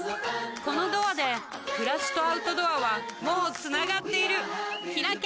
このドアで暮らしとアウトドアはもうつながっているひらけ